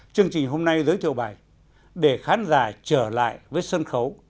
chương trình hôm nay giới thiệu bài để khán giả trở lại với sân khấu